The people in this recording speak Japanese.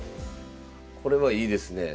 これはいいですねえ。